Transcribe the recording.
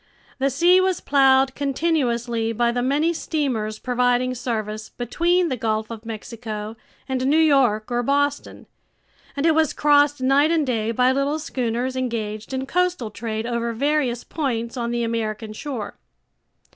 The sea was plowed continuously by the many steamers providing service between the Gulf of Mexico and New York or Boston, and it was crossed night and day by little schooners engaged in coastal trade over various points on the American shore.